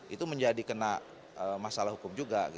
itu menjadi kena masalah hukum juga